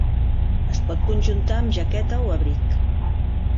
Es pot conjuntar amb jaqueta o abric.